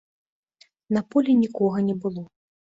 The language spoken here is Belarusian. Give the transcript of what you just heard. На полі нікога не было.